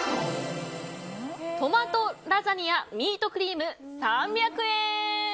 トマトラザニアミートクリーム３００円。